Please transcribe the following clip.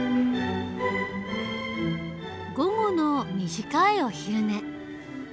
午後の短いお昼寝。